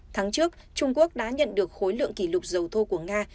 tháng trước trung quốc đã nhận được khối lượng kỷ lục dầu thô của nga